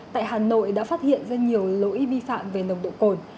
tại hà nội đã phát hiện ra nhiều lỗi vi phạm về nồng độ cồn